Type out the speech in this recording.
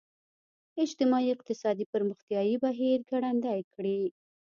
اجتماعي اقتصادي پرمختیايي بهیر ګړندی کړي.